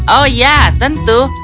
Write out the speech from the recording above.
oh ya tentu